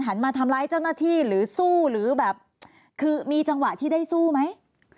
มาทำร้ายเจ้าหน้าที่หรือสู้หรือแบบคือมีจังหวะที่ได้สู้ไหม